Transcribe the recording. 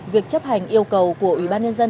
việc chấp hành yêu cầu của ủy ban nhân dân